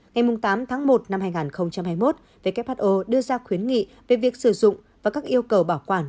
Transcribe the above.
ngày tám tháng một năm hai nghìn hai mươi một who đưa ra khuyến nghị về việc sử dụng và các yêu cầu bảo quản